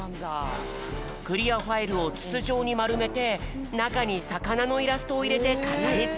クリアファイルをつつじょうにまるめてなかにさかなのイラストをいれてかざりつけ。